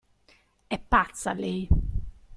È pazza, lei!